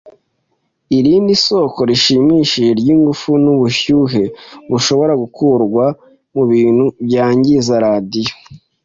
Irindi soko rishimishije ryingufu nubushyuhe bushobora gukurwa mubintu byangiza radio